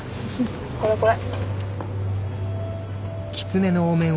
これこれ。